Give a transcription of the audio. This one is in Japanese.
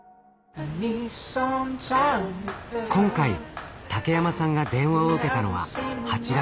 今回竹山さんが電話を受けたのは８月の３日間。